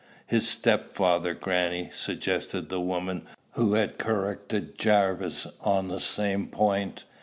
"His step father, grannie," suggested the woman who had corrected Jarvis on the same point.